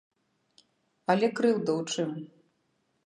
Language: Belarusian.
Але крыўда ў чым?